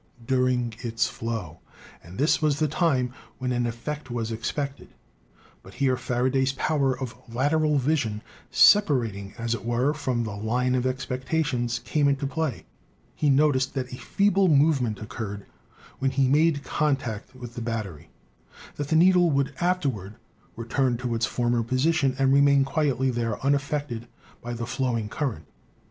During its flow — and this was the time when an effect was expected ; but here Faraday's power of lateral vision, separating, as it were, from the line of ex pectation, came into play — he noticed that a feeble move ment occurred when he made contact with the battery; that the needle would afterward return to its former posi tion and remain quietly there unaffected by the flowing current.